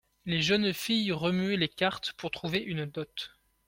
Les jeunes filles remuaient les cartes pour trouver une dot.